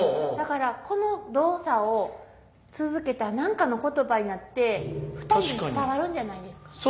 だからこの動作を続けたら何かの言葉になって２人に伝わるんじゃないですか？